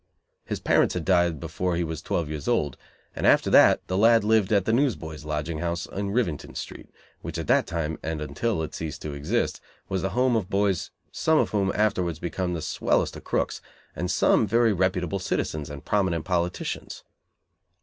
His parents had died before he was twelve years old, and after that the lad lived at the Newsboys' Lodging House, in Rivington Street, which at that time and until it ceased to exist was the home of boys some of whom afterwards became the swellest of crooks, and some very reputable citizens and prominent politicians.